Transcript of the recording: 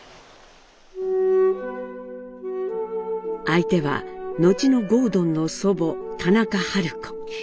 相手は後の郷敦の祖母・田中春子。